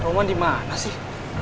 roman dimana sih